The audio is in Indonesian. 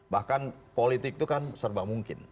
bahkan politik itu kan serba mungkin